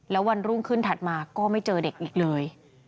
แล้ววันรุ่งขึ้นถัดมาก็ไม่เจอเด็กอีกเลย